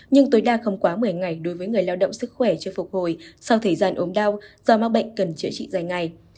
nhưng tối đa không quá một mươi ngày đối với người lao động sức khỏe chưa phục hồi sau thời gian ốm đau do mắc bệnh cần chữa trị dài ngày